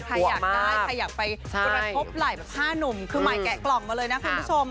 ใครอยากได้ใครอยากไปกระทบไหล่แบบ๕หนุ่มคือใหม่แกะกล่องมาเลยนะคุณผู้ชม